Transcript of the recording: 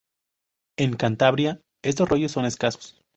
En Cantabria estos rollos son escasos.